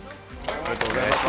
ありがとうございます